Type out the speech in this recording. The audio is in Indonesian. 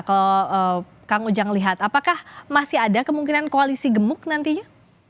kalau kang ujang lihat apakah masih ada kemungkinan koalisi gemuk nantinya